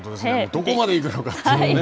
どこまで行くのかというね。